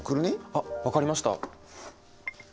あっ分かりました。